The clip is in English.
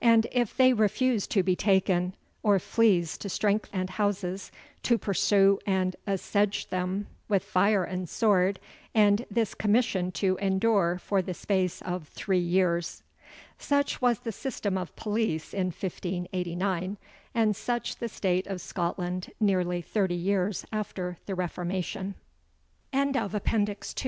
And if they refuse to be taken, or flees to strengths and houses, to pursue and assege them with fire and sword; and this commission to endure for the space of three years." Such was the system of police in 1589; and such the state of Scotland nearly thirty years after the Reformation. V. NOTES. Note I. FIDES ET FIDUCIA SUNT RELATIVA.